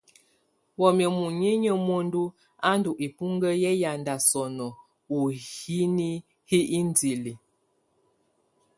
Wamɛ̀á muninyǝ́ muǝndu a ndù ibuŋkǝ yɛ yanda sɔnɔ u hini hi indili.